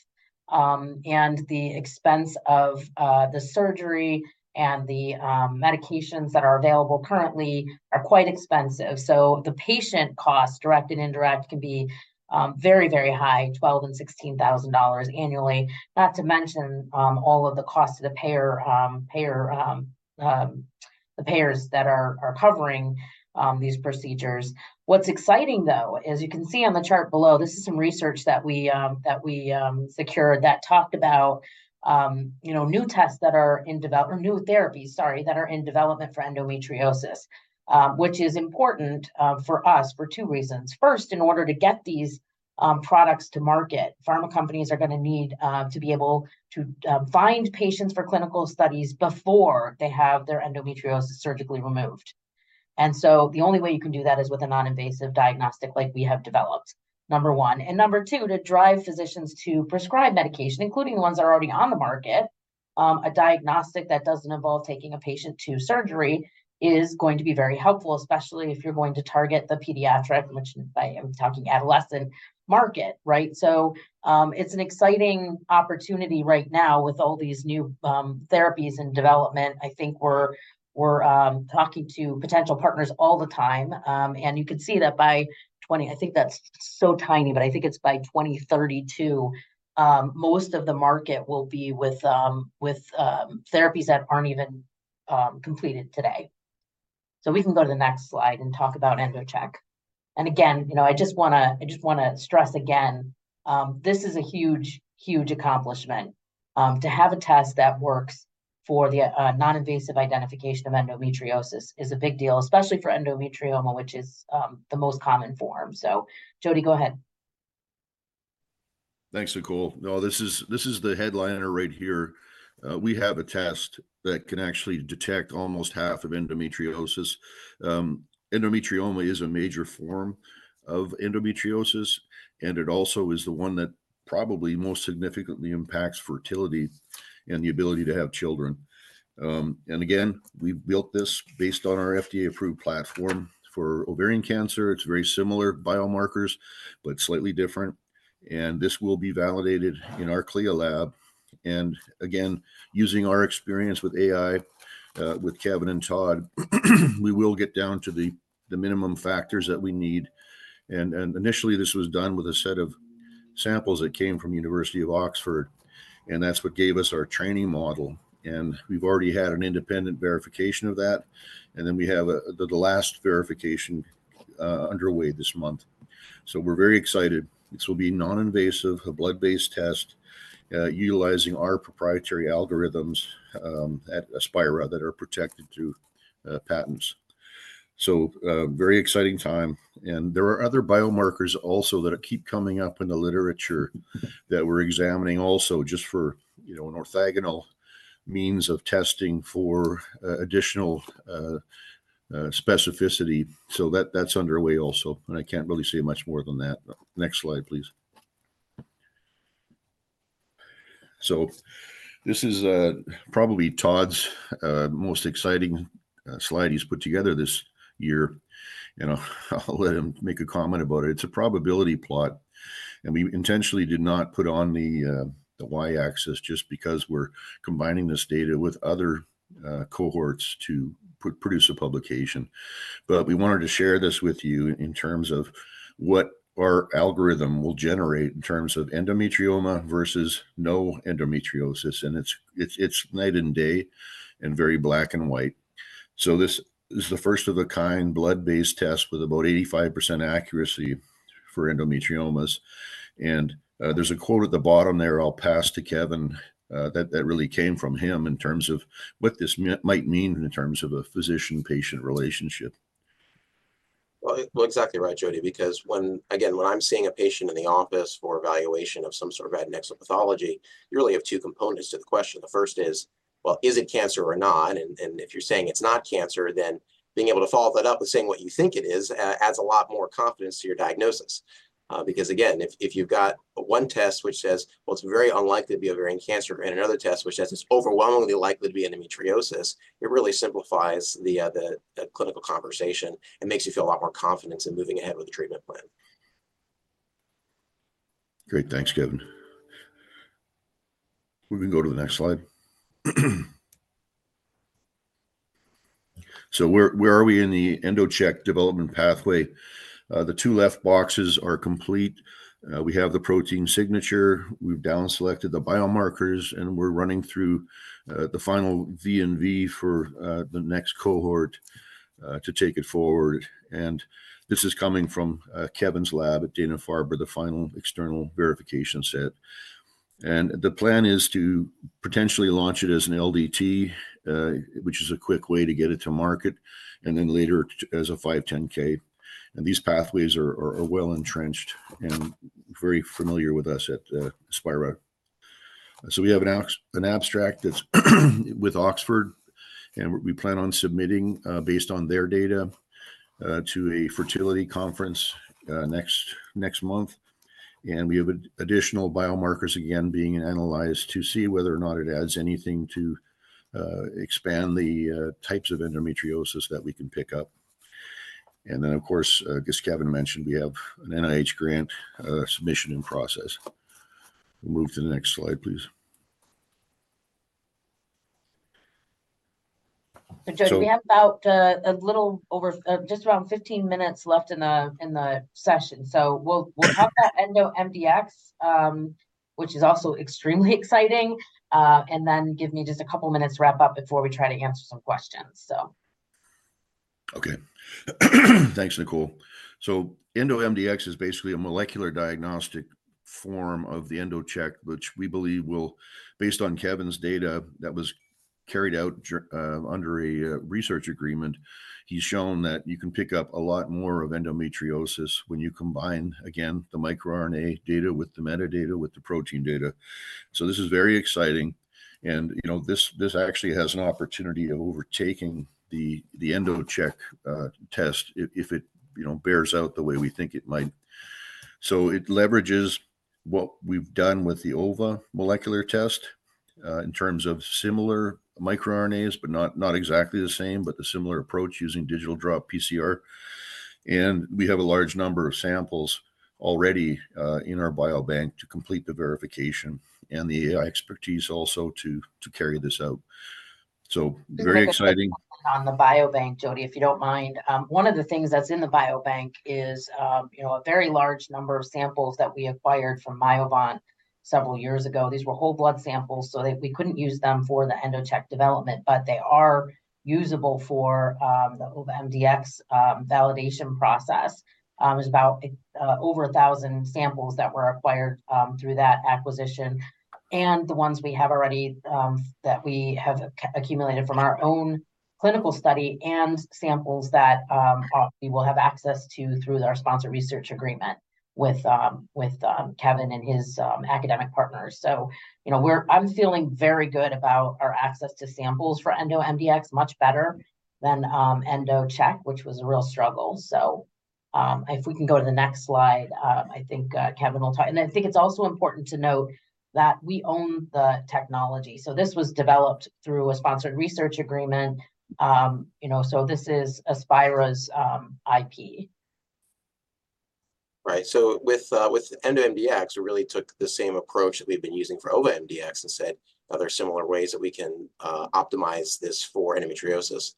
Speaker 2: And the expense of the surgery and the medications that are available currently are quite expensive. So the patient cost, direct and indirect, can be very, very high, $12,000-$16,000 annually, not to mention all of the cost to the payer, the payers that are covering these procedures. What's exciting, though, as you can see on the chart below, this is some research that we secured that talked about, you know, new tests that are in development- or new therapies, sorry, that are in development for endometriosis. Which is important for us for two reasons. First, in order to get these products to market, pharma companies are gonna need to be able to find patients for clinical studies before they have their endometriosis surgically removed. And so the only way you can do that is with a non-invasive diagnostic like we have developed, number one. And number two, to drive physicians to prescribe medication, including ones that are already on the market. A diagnostic that doesn't involve taking a patient to surgery is going to be very helpful, especially if you're going to target the pediatric, which I am talking adolescent, market, right? So, it's an exciting opportunity right now with all these new therapies in development. I think we're talking to potential partners all the time. And you can see that by twenty... I think that's so tiny, but I think it's by 2032, most of the market will be with therapies that aren't even completed today. So we can go to the next slide and talk about EndoCheck. And again, you know, I just wanna, I just wanna stress again, this is a huge, huge accomplishment. To have a test that works for the non-invasive identification of endometriosis is a big deal, especially for endometrioma, which is the most common form. So, Jody, go ahead.
Speaker 4: Thanks, Nicole. No, this is the headliner right here. We have a test that can actually detect almost half of endometriosis. Endometrioma is a major form of endometriosis, and it also is the one that probably most significantly impacts fertility and the ability to have children. And again, we've built this based on our FDA-approved platform for ovarian cancer. It's very similar biomarkers, but slightly different, and this will be validated in our CLIA lab. And again, using our experience with AI, with Kevin and Todd, we will get down to the minimum factors that we need. And initially, this was done with a set of samples that came from University of Oxford, and that's what gave us our training model. We've already had an independent verification of that, and then we have the last verification underway this month. So we're very excited. This will be non-invasive, a blood-based test, utilizing our proprietary algorithms at Aspira that are protected through patents. So, a very exciting time. And there are other biomarkers also that keep coming up in the literature that we're examining also just for, you know, an orthogonal means of testing for additional specificity. So that's underway also, and I can't really say much more than that. Next slide, please. So this is probably Todd's most exciting slide he's put together this year, and I'll let him make a comment about it. It's a probability plot, and we intentionally did not put on the Y-axis just because we're combining this data with other cohorts to produce a publication. But we wanted to share this with you in terms of what our algorithm will generate in terms of endometrioma versus no endometriosis, and it's night and day and very black and white. So this is the first of a kind blood-based test with about 85% accuracy for endometriomas. And there's a quote at the bottom there I'll pass to Kevin that really came from him in terms of what this might mean in terms of a physician-patient relationship.
Speaker 3: Well, exactly right, Jody, because when, again, when I'm seeing a patient in the office for evaluation of some sort of adnexal pathology, you really have two components to the question. The first is, well, is it cancer or not? And if you're saying it's not cancer, then being able to follow that up and saying what you think it is, adds a lot more confidence to your diagnosis. Because, again, if you've got one test which says, "Well, it's very unlikely to be ovarian cancer," and another test which says, "It's overwhelmingly likely to be endometriosis," it really simplifies the clinical conversation and makes you feel a lot more confidence in moving ahead with the treatment plan.
Speaker 4: Great. Thanks, Kevin. We can go to the next slide. So where are we in the EndoCheck development pathway? The two left boxes are complete. We have the protein signature, we've down selected the biomarkers, and we're running through the final V&V for the next cohort to take it forward. And this is coming from Kevin's lab at Dana-Farber, the final external verification set. And the plan is to potentially launch it as an LDT, which is a quick way to get it to market, and then later as a 510(k). And these pathways are well entrenched and very familiar with us at Aspira. So we have an abstract that's with Oxford, and we plan on submitting based on their data to a fertility conference next month. We have additional biomarkers, again, being analyzed to see whether or not it adds anything to expand the types of endometriosis that we can pick up. Then, of course, as Kevin mentioned, we have an NIH grant submission in process. Move to the next slide, please.
Speaker 2: So Jody, we have about a little over just around 15 minutes left in the session. So we'll talk about EndoMDx, which is also extremely exciting. And then give me just a couple of minutes to wrap up before we try to answer some questions, so.
Speaker 4: Okay. Thanks, Nicole. So EndoMDx is basically a molecular diagnostic form of the EndoCheck, which we believe will, based on Kevin's data that was carried out under a research agreement, he's shown that you can pick up a lot more of endometriosis when you combine, again, the microRNA data with the metadata, with the protein data. So this is very exciting, and, you know, this actually has an opportunity of overtaking the EndoCheck test if it, you know, bears out the way we think it might. So it leverages what we've done with the Ova molecular test in terms of similar microRNAs, but not exactly the same, but a similar approach using digital droplet PCR. We have a large number of samples already in our biobank to complete the verification and the AI expertise also to carry this out. So very exciting.
Speaker 2: On the biobank, Jody, if you don't mind. One of the things that's in the biobank is, you know, a very large number of samples that we acquired from Myovant several years ago. These were whole blood samples, so we couldn't use them for the EndoCheck development, but they are usable for the OvaMDx validation process. There's about over 1,000 samples that were acquired through that acquisition, and the ones we have already that we have accumulated from our own clinical study and samples that we will have access to through our sponsor research agreement with Kevin and his academic partners. So, you know, I'm feeling very good about our access to samples for EndoMDx, much better than EndoCheck, which was a real struggle. So, if we can go to the next slide, I think, Kevin will talk. I think it's also important to note that we own the technology. So this was developed through a sponsored research agreement, you know, so this is Aspira's IP.
Speaker 3: Right. So with EndoMDx, we really took the same approach that we've been using for OvaMDx and said: Are there similar ways that we can optimize this for endometriosis?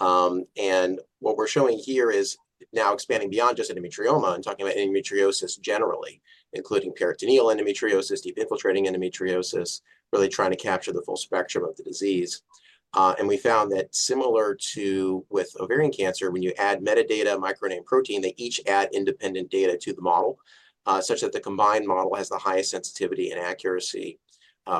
Speaker 3: And what we're showing here is now expanding beyond just endometrioma and talking about endometriosis generally, including peritoneal endometriosis, deep infiltrating endometriosis, really trying to capture the full spectrum of the disease. And we found that similar to with ovarian cancer, when you add metadata, microRNA, and protein, they each add independent data to the model such that the combined model has the highest sensitivity and accuracy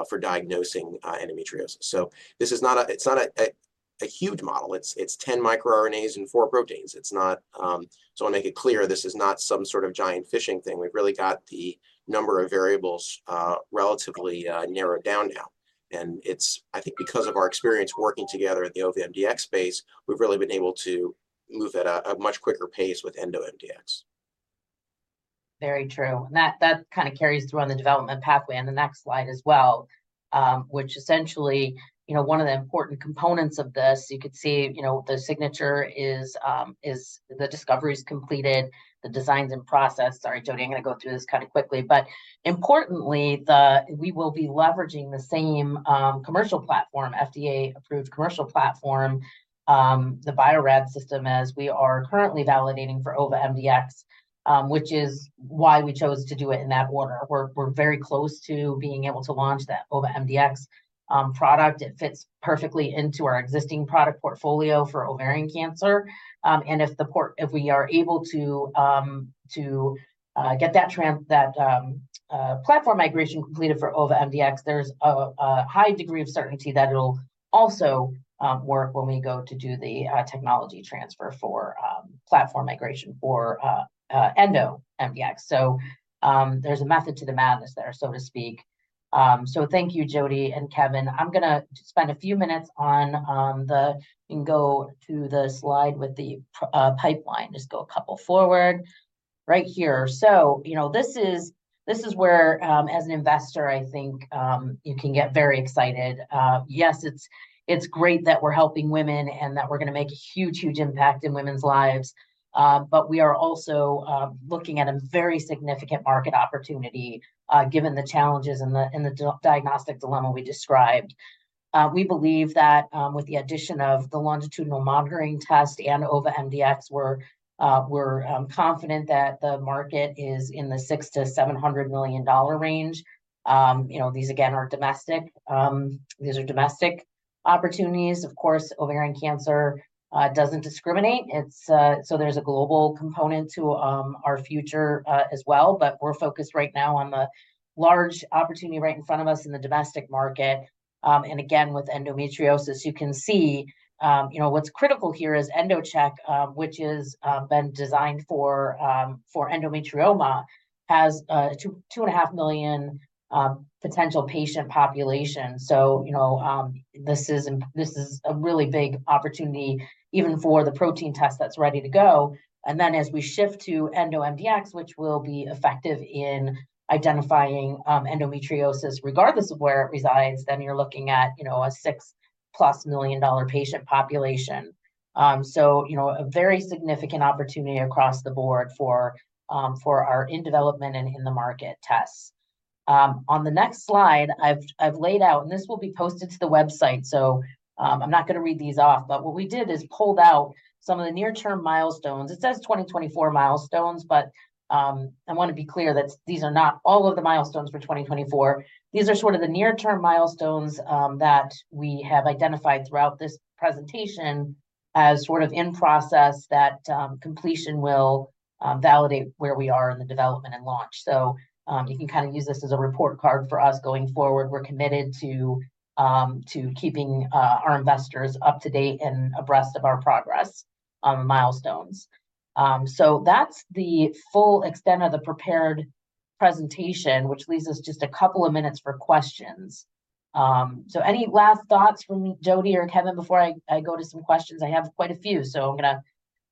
Speaker 3: for diagnosing endometriosis. So this is not—it's not a huge model. It's 10 microRNAs and four proteins. It's not. So I'll make it clear, this is not some sort of giant fishing thing. We've really got the number of variables relatively narrowed down now. It's, I think, because of our experience working together at the OvaMDx space, we've really been able to move at a much quicker pace with EndoMDx.
Speaker 2: Very true. And that kind of carries through on the development pathway on the next slide as well, which essentially, you know, one of the important components of this, you could see, you know, the signature is the discovery is completed, the design's in process. Sorry, Jody, I'm gonna go through this kind of quickly. But importantly, we will be leveraging the same commercial platform, FDA-approved commercial platform, the Bio-Rad system, as we are currently validating for OvaMDx, which is why we chose to do it in that order. We're very close to being able to launch that OvaMDx product. It fits perfectly into our existing product portfolio for ovarian cancer. And if we are able to get that platform migration completed for OvaMDx, there's a high degree of certainty that it'll also work when we go to do the technology transfer for platform migration for EndoMDx. So, there's a method to the madness there, so to speak. So thank you, Jody and Kevin. I'm gonna spend a few minutes on the... You can go to the slide with the pipeline. Just go a couple forward. Right here. So, you know, this is where, as an investor, I think, you can get very excited. Yes, it's great that we're helping women and that we're gonna make a huge impact in women's lives. But we are also looking at a very significant market opportunity, given the challenges and the diagnostic dilemma we described. We believe that, with the addition of the longitudinal monitoring test and OvaMDx, we're confident that the market is in the $600 million-$700 million range. You know, these, again, are domestic, these are domestic opportunities. Of course, ovarian cancer doesn't discriminate. It's so there's a global component to our future as well, but we're focused right now on the large opportunity right in front of us in the domestic market. And again, with endometriosis, you can see, you know, what's critical here is EndoCheck, which is been designed for endometrioma, has a 2-2.5 million potential patient population. So, you know, this is a really big opportunity, even for the protein test that's ready to go. And then as we shift to EndoMDx, which will be effective in identifying endometriosis, regardless of where it resides, then you're looking at, you know, a $6+ million patient population. So, you know, a very significant opportunity across the board for our in-development and in-the-market tests. On the next slide, I've laid out, and this will be posted to the website, so I'm not gonna read these off, but what we did is pulled out some of the near-term milestones. It says 2024 milestones, but I wanna be clear that these are not all of the milestones for 2024. These are sort of the near-term milestones that we have identified throughout this presentation as sort of in process, that completion will validate where we are in the development and launch. So, you can kind of use this as a report card for us going forward. We're committed to keeping our investors up to date and abreast of our progress on milestones. So that's the full extent of the prepared presentation, which leaves us just a couple of minutes for questions. So any last thoughts from Jody or Kevin before I go to some questions? I have quite a few, so I'm gonna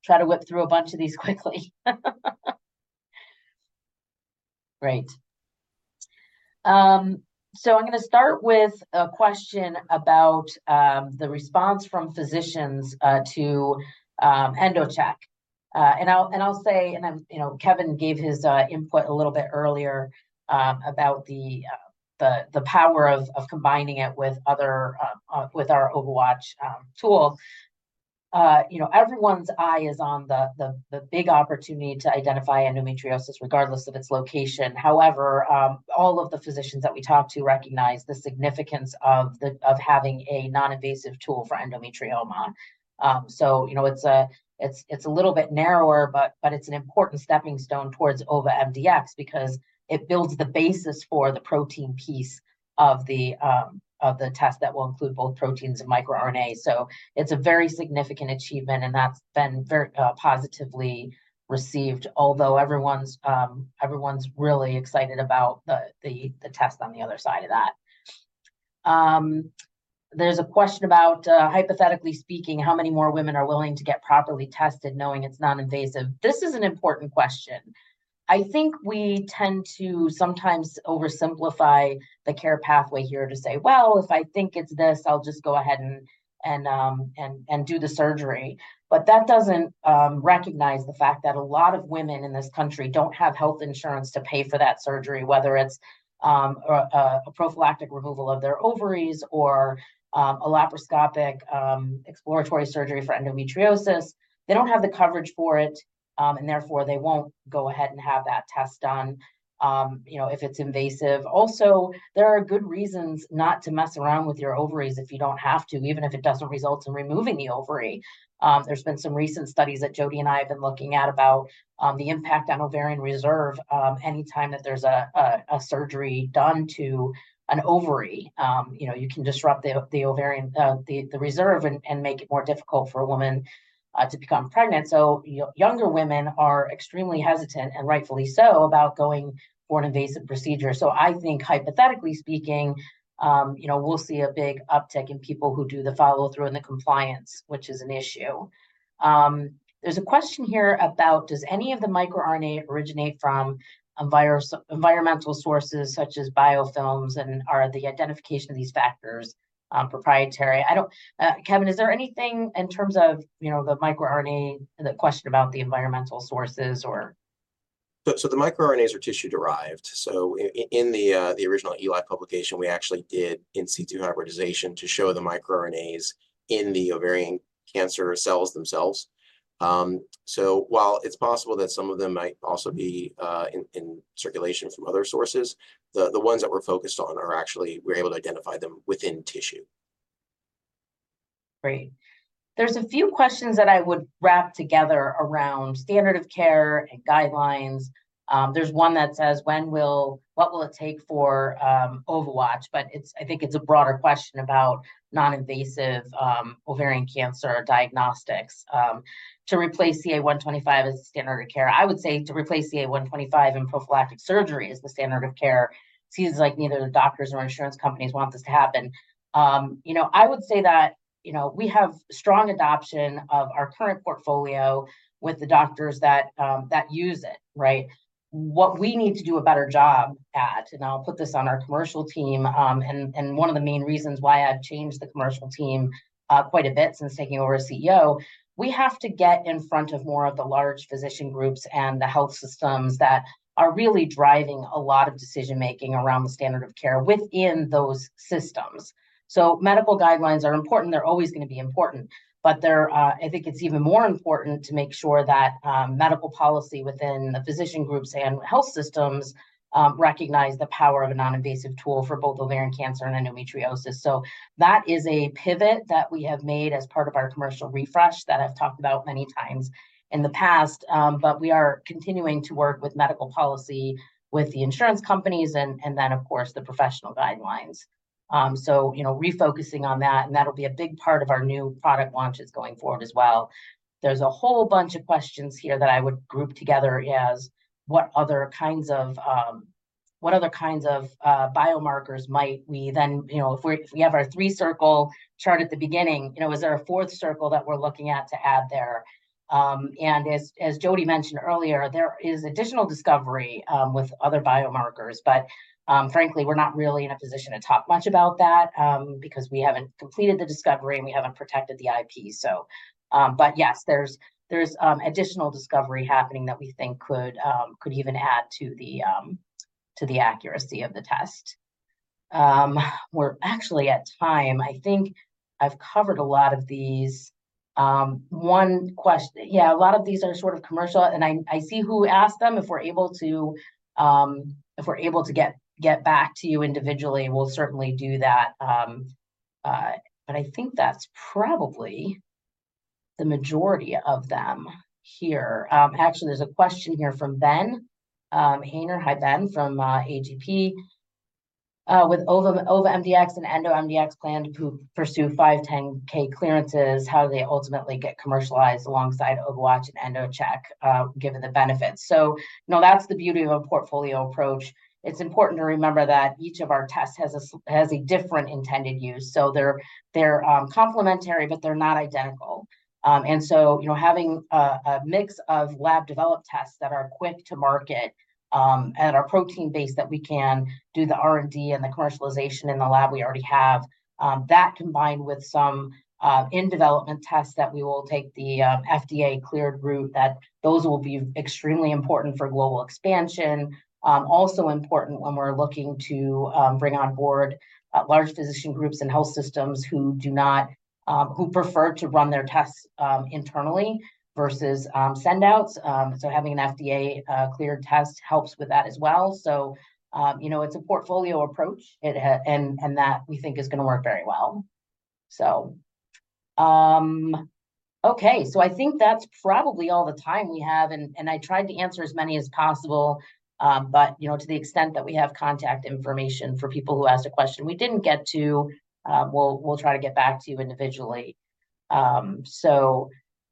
Speaker 2: try to whip through a bunch of these quickly. Great. So I'm gonna start with a question about the response from physicians to EndoCheck. And I'll say, and I'm... You know, Kevin gave his input a little bit earlier about the power of combining it with other with our OvaWatch tool. You know, everyone's eye is on the big opportunity to identify endometriosis, regardless of its location. However, all of the physicians that we talk to recognize the significance of having a non-invasive tool for endometrioma. So, you know, it's a little bit narrower, but it's an important stepping stone towards OvaMDx because it builds the basis for the protein piece of the test that will include both proteins and microRNA. So it's a very significant achievement, and that's been very positively received, although everyone's really excited about the test on the other side of that. There's a question about, hypothetically speaking, how many more women are willing to get properly tested, knowing it's non-invasive? This is an important question. I think we tend to sometimes oversimplify the care pathway here to say, "Well, if I think it's this, I'll just go ahead and do the surgery." But that doesn't recognize the fact that a lot of women in this country don't have health insurance to pay for that surgery, whether it's a prophylactic removal of their ovaries or a laparoscopic exploratory surgery for endometriosis. They don't have the coverage for it, and therefore, they won't go ahead and have that test done, you know, if it's invasive. Also, there are good reasons not to mess around with your ovaries if you don't have to, even if it doesn't result in removing the ovary. There's been some recent studies that Jody and I have been looking at, about the impact on ovarian reserve. Any time that there's a surgery done to an ovary, you know, you can disrupt the ovarian reserve and make it more difficult for a woman to become pregnant. So younger women are extremely hesitant, and rightfully so, about going for an invasive procedure. So I think hypothetically speaking, you know, we'll see a big uptick in people who do the follow-through and the compliance, which is an issue. There's a question here about: does any of the microRNA originate from environmental sources, such as biofilms, and are the identification of these factors proprietary? I don't know, Kevin, is there anything in terms of, you know, the microRNA and the question about the environmental sources or?
Speaker 3: So, the microRNAs are tissue-derived. So in the original Elias publication, we actually did in situ hybridization to show the microRNAs in the ovarian cancer cells themselves. So while it's possible that some of them might also be in circulation from other sources, the ones that we're focused on are actually, we're able to identify them within tissue.
Speaker 2: Great. There's a few questions that I would wrap together around standard of care and guidelines. There's one that says: what will it take for OvaWatch? But it's, I think it's a broader question about non-invasive ovarian cancer diagnostics to replace CA-125 as a standard of care. I would say to replace CA-125 in prophylactic surgery as the standard of care, seems like neither the doctors nor insurance companies want this to happen. You know, I would say that, you know, we have strong adoption of our current portfolio with the doctors that that use it, right? What we need to do a better job at, and I'll put this on our commercial team, and one of the main reasons why I've changed the commercial team, quite a bit since taking over as CEO, we have to get in front of more of the large physician groups and the health systems that are really driving a lot of decision-making around the standard of care within those systems. So medical guidelines are important. They're always gonna be important, but they're... I think it's even more important to make sure that, medical policy within the physician groups and health systems, recognize the power of a non-invasive tool for both ovarian cancer and endometriosis. So that is a pivot that we have made as part of our commercial refresh that I've talked about many times in the past. But we are continuing to work with medical policy, with the insurance companies, and then, of course, the professional guidelines. So, we're refocusing on that, and that'll be a big part of our new product launches going forward as well. There's a whole bunch of questions here that I would group together as: what other kinds of biomarkers might we then... You know, if we have our three-circle chart at the beginning, you know, is there a fourth circle that we're looking at to add there? And as Jody mentioned earlier, there is additional discovery with other biomarkers, but frankly, we're not really in a position to talk much about that, because we haven't completed the discovery, and we haven't protected the IP yet. But yes, there's additional discovery happening that we think could even add to the accuracy of the test. We're actually out of time. I think I've covered a lot of these. One question, yeah, a lot of these are sort of commercial, and I see who asked them. If we're able to get back to you individually, we'll certainly do that. But I think that's probably the majority of them here. Actually, there's a question here from Ben Hayner. Hi, Ben, from AGP. With Ova, OvaMDx and EndoMDx planned to pursue 510(k) clearances, how do they ultimately get commercialized alongside OvaWatch and EndoCheck, given the benefits? So now, that's the beauty of a portfolio approach. It's important to remember that each of our tests has a different intended use, so they're complementary, but they're not identical. And so, you know, having a mix of lab-developed tests that are quick to market, and are protein-based, that we can do the R&D and the commercialization in the lab we already have, and combined with some in-development tests, that we will take the FDA-cleared route, that those will be extremely important for global expansion. Also important when we're looking to bring on board large physician groups and health systems who do not prefer to run their tests internally versus send outs. So having an FDA-cleared test helps with that as well. It's a portfolio approach, and that we think is gonna work very well. So, okay. So I think that's probably all the time we have, and I tried to answer as many as possible. But, you know, to the extent that we have contact information for people who asked a question we didn't get to, we'll try to get back to you individually. So,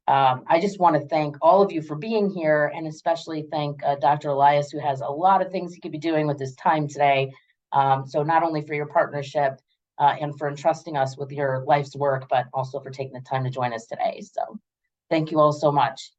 Speaker 2: I just wanna thank all of you for being here, and especially thank Dr. Elias, who has a lot of things he could be doing with his time today. So not only for your partnership, and for entrusting us with your life's work, but also for taking the time to join us today. So thank you all so much.